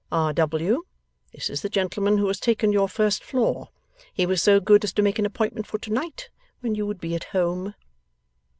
R. W., this is the gentleman who has taken your first floor. He was so good as to make an appointment for to night, when you would be at home.